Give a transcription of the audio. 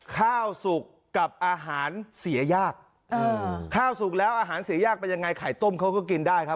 ข้าวสุกกับอาหารเสียยากข้าวสุกแล้วอาหารเสียยากเป็นยังไงไข่ต้มเขาก็กินได้ครับ